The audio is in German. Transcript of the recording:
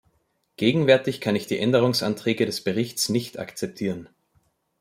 Gegenwärtig kann ich die Änderungsanträge des Berichts nicht akzeptieren.